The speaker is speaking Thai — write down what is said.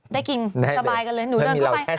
ได้กินสบายกันเลยหนูเดินเข้าไป